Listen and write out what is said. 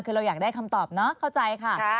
คือเราอยากได้คำตอบเนาะเข้าใจค่ะ